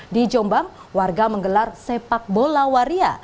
di jombang warga menggelar sepak bola waria